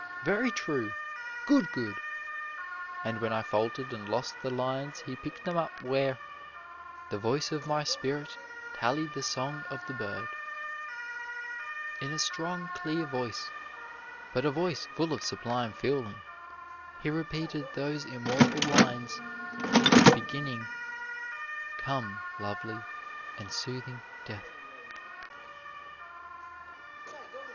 "Very true!" "Good, good!" And when I faltered and lost the lines he picked them up where "The voice of my spirit tallied the song of the bird." In a strong, clear voice, but a voice full of sublime feeling, he repeated those immortal lines, beginning, "Come, lovely and soothing Death."